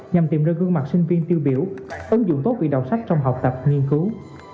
nhằm tìm ra gương mặt sinh viên tiêu biểu ứng dụng tốt vị đọc sách trong học tập nghiên cứu